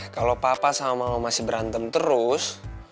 kalau papa sama mama masih berantem terus